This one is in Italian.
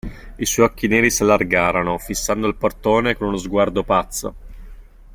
I suoi occhi neri s'allargarono, fissando il portone con uno sguardo pazzo.